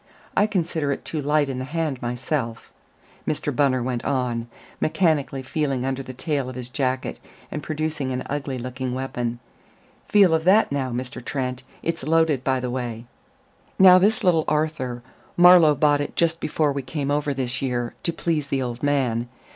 I consider it too light in the hand myself," Mr. Bunner went on, mechanically feeling under the tail of his jacket, and producing an ugly looking weapon. "Feel of that, now, Mr. Trent it's loaded, by the way. Now this Little Arthur Marlowe bought it just before we came over this year, to please the old man.